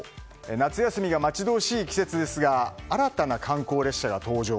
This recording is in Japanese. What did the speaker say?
夏休みが待ち遠しい季節ですが新たな観光列車が登場。